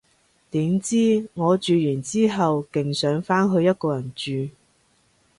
點知，我住完之後勁想返去一個人住